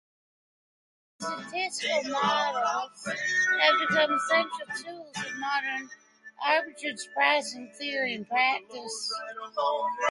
These statistical models have become essential tools of modern arbitrage pricing theory and practice.